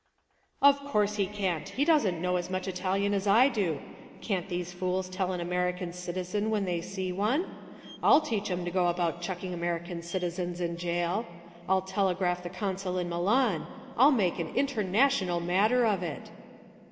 'Of course he can't; he doesn't know as much Italian as I do. Can't these fools tell an American citizen when they see one? I'll teach 'em to go about chucking American citizens in jail. I'll telegraph the consul in Milan; I'll make an international matter of it!'